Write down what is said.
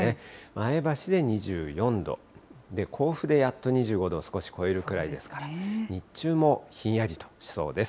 前橋で２４度、甲府でやっと２５度を少し超えるくらいですから、日中もひんやりとしそうです。